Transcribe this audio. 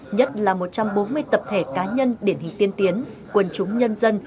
là một trăm bốn mươi tập thể cá nhân điển hình tiên tiến quân chúng nhân dân